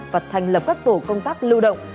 và thành lập các tổ công tác lưu động